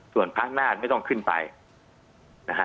ส่วนพระนาฏไม่ต้องขึ้นไปนะฮะ